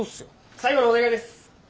最後のお願いです！